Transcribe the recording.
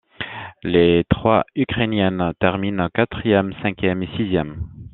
Les trois Ukrainiennes terminent quatrième, cinquième et sixième.